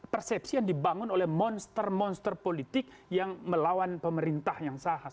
persepsi yang dibangun oleh monster monster politik yang melawan pemerintah yang sahas